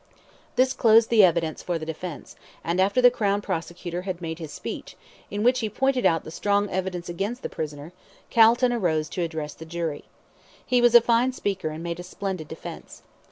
This closed the evidence for the defence, and after the Crown Prosecutor had made his speech, in which he pointed out the strong evidence against the prisoner, Calton arose to address the jury. He was a fine speaker, and made a splendid defence.